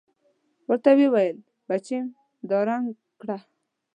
ورته يې وويل بچېم دا رنګ کړه.